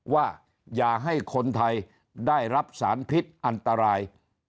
ว่าอย่าให้คนไทยได้รับสารพิษอันตราย